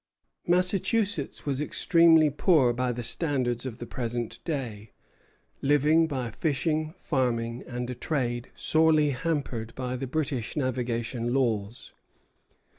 Massachusetts was extremely poor by the standards of the present day, living by fishing, farming, and a trade sorely hampered by the British navigation laws.